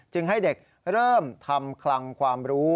ให้เด็กเริ่มทำคลังความรู้